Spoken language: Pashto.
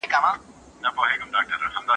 قناعت کوونکی سړی تر ټولو بډای دی.